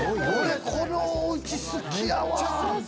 このうち好きやわ。